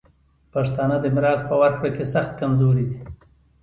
پښتانه د میراث په ورکړه کي سخت کمزوري دي.